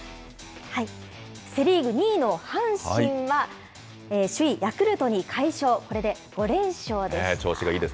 セ・リーグ２位の阪神は、首位ヤクルトに快勝、これで５連勝です。